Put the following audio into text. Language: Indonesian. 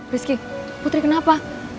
risky putri kenapa